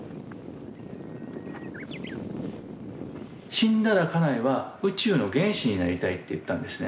死んだら家内は宇宙の原子になりたいって言ったんですね。